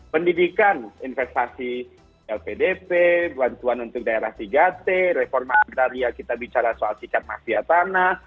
pendidikan investasi lpdp bantuan untuk daerah tiga t reforma agraria kita bicara soal tiket mafia tanah